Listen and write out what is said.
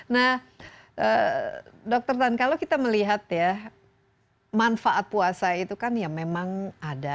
nah dr tan kalau kita melihat ya manfaat puasa itu kan ya memang ada